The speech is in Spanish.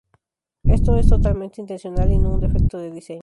Esto es totalmente intencional y no un defecto de diseño.